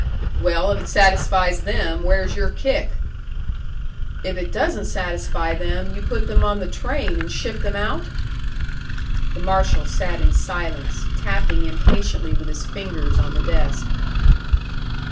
"Well, if it satisfies them, where's your kick?" "If it doesn't satisfy them, you put them on the train and ship them out?" The marshal sat in silence, tapping impatiently with his fingers on the desk.